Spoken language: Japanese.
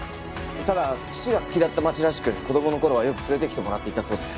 ただ父が好きだった街らしく子供の頃はよく連れてきてもらっていたそうです。